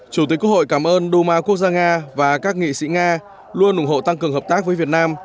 chủ tịch quốc hội cảm ơn duma quốc gia nga và các nghị sĩ nga luôn ủng hộ tăng cường hợp tác với việt nam